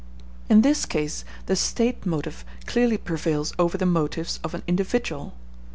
In this case the State motive clearly prevails over the motives of an individual.